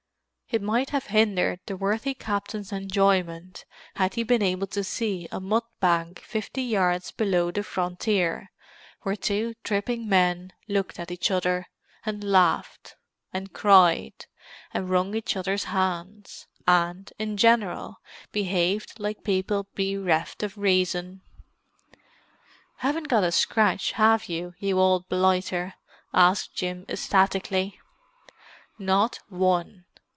It might have hindered the worthy captain's enjoyment had he been able to see a mud bank fifty yards below the frontier, where two dripping men looked at each other, and laughed, and cried, and wrung each other's hands, and, in general, behaved like people bereft of reason. "Haven't got a scratch, have you, you old blighter?" asked Jim ecstatically. "Not one.